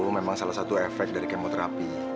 memang salah satu efek dari kemoterapi